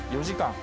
４時間。